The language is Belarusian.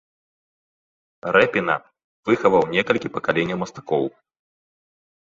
Рэпіна, выхаваў некалькі пакаленняў мастакоў.